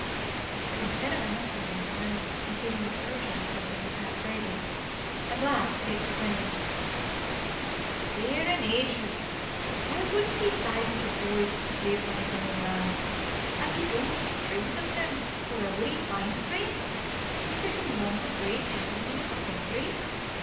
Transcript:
But instead of answering him Reynolds continued urging something to Pat Brady; at last he exclaimed, "Tear and ages! and why wouldn't he side with the boys as lives on his own land? av he don't make frinds of them, where will he find frinds? Is it among the great gintlemen of the counthry?